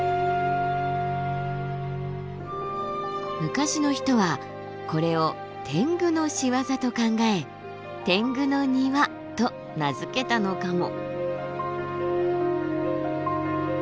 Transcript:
昔の人はこれを天狗の仕業と考え「天狗の庭」と名付けたのかも。